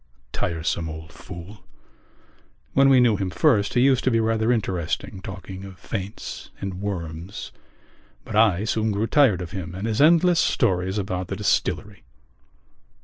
Tiresome old fool! When we knew him first he used to be rather interesting, talking of faints and worms; but I soon grew tired of him and his endless stories about the distillery.